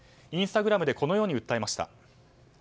インスタグラムでこのように訴えました。